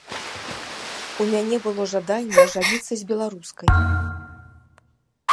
У мяне было жаданне ажаніцца з беларускай.